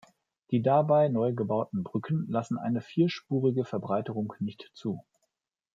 Die dabei neu gebauten Brücken lassen eine vierspurige Verbreiterung nicht zu.